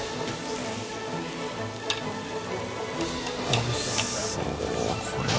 おいしそうこれは。